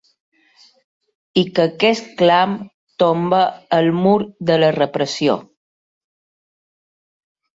I que aquest clam tombe el mur de la repressió.